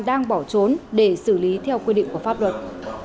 đang bỏ trốn để xử lý theo quy định của pháp luật